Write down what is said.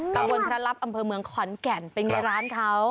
ตำบลพระรับอำเภอเมืองขอนแก่นเป็นไงร้านเขา